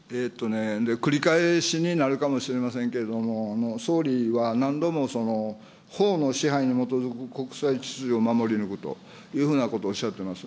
繰り返しになるかもしれませんけれども、総理は何度も法の支配に基づく国際秩序を守り抜くというようなことをおっしゃっております。